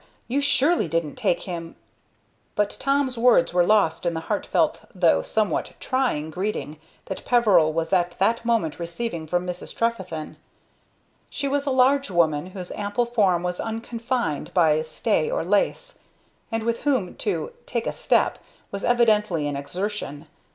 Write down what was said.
you surely didn't take him " But Tom's words were lost in the heartfelt though somewhat trying greeting that Peveril was at that moment receiving from Mrs. Trefethen. She was a large woman, whose ample form was unconfined by stay or lace, and with whom to "take a step" was evidently an exertion.